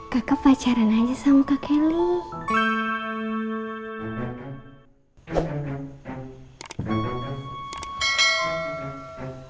kakak pacaran aja sama kak kelly